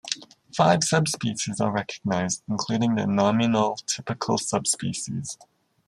Five subspecies are recognized, including the nominotypical subspecies.